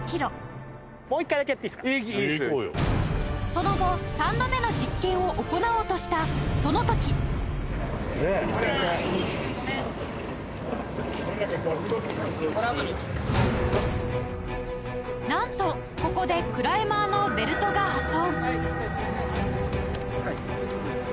その後３度目の実験を行おうとしたなんとここでクライマーのベルトが破損